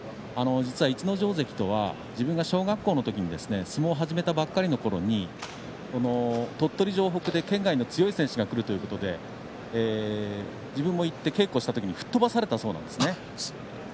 逸ノ城関とは自分が小学校の時相撲を始めたばかりのころに鳥取城北で県外の強い力士が来るというので自分も行って稽古した時に吹っ飛ばされたそうです。